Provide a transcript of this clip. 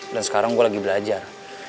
dan sekarang gue lagi belajar